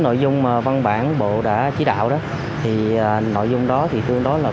nội dung văn bản bộ đã chỉ đạo nội dung đó thì tương đối là vẫn ổn